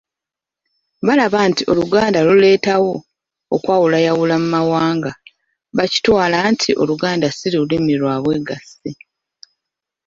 Balaba nti Oluganda luleetawo okwawulayawula mu mawanga. Baakitwala nti Oluganda si Lulimi lwa bwegassi.